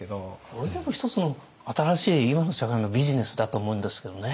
それでも一つの新しい今の社会のビジネスだと思うんですけどね。